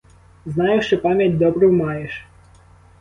Знаю, що пам'ять добру маєш.